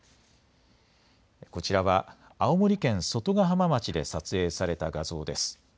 こちらは青森県外ヶ浜町で撮影された画像です。